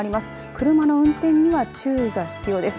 車の運転には注意が必要です。